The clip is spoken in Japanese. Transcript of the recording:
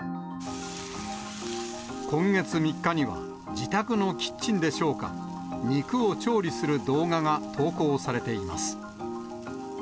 今月３日には、自宅のキッチンでしょうか、肉を調理する動画が投稿されています。